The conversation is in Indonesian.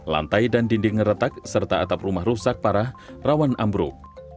lantai dan dinding retak serta atap rumah rusak parah rawan ambruk